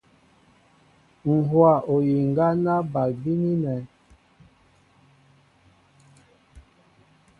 Ŋ̀ hówa oyiŋga ná bal bínínɛ̄.